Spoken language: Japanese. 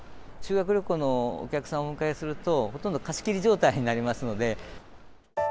修学旅行のお客さんをお迎えすると、ほとんど貸し切り状態になりますので。